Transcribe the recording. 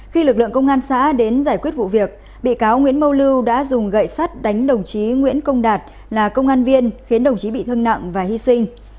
khi lực lượng công an xã đến giải quyết vụ việc bị cáo nguyễn mau lưu đã dùng gậy sắt đánh đồng chí nguyễn công đạt là công an viên khiến đồng chí bị thương nặng và hy sinh